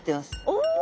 お！